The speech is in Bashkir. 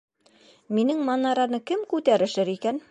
Минең манараны кем күтәрешер икән?..